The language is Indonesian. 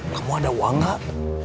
kamu ada uang nggak